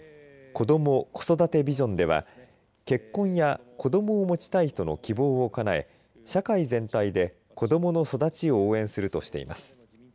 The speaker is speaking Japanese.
子ども・子育てビジョンでは結婚や子どもを持ちたい人の希望をかなえ社会全体で子どもの育ちを応援するとしています。